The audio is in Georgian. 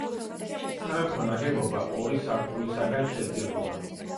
სამეფო ნაგებობა ორი სართულისაგან შედგებოდა.